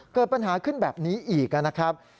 เกิดปัญหาขึ้นแบบนี้อีกนะครับ